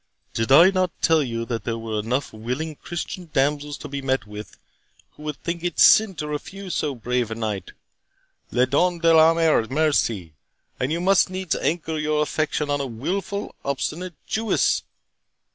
Did I not tell you that there were enough willing Christian damsels to be met with, who would think it sin to refuse so brave a knight 'le don d'amoureux merci', and you must needs anchor your affection on a wilful, obstinate Jewess!